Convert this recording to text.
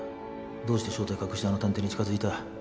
どうして正体隠してあの探偵に近づいた？